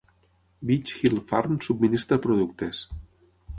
Beech Hill Farm subministra productes.